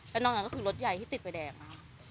แต่นอกจากนั้นคือรถใหญ่ที่ติดไปแตกล่ะ